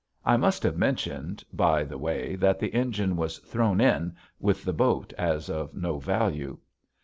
I must have mentioned, by the way, that the engine was "thrown in" with the boat as of no value.